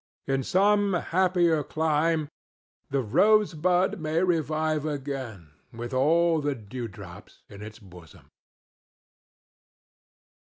In some happier clime the Rosebud may revive again with all the dewdrops in its bosom.